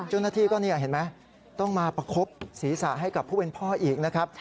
เจ้าหน้าที่ก็เห็นไหมต้องมาประคบศีรษะให้กับผู้เป็นพ่ออีกนะครับ